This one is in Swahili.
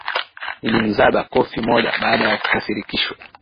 Nilimzaba kofi moja baada ya kukasirishwa.